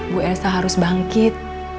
bu elsa harus bangkit